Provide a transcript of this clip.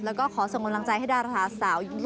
แล้วก็ขอส่งกำลังใจให้ดาราศาสตร์